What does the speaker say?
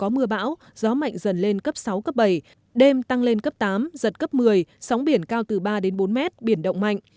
ở các tỉnh bắc bộ có mưa bão gió mạnh dần lên cấp sáu cấp bảy đêm tăng lên cấp tám giật cấp một mươi sóng biển cao từ ba bốn mét biển động mạnh